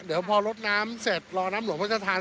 เดี๋ยวพอรสน้ำเสร็จก่อนเวลาน้ำหลวงมาเจอทาน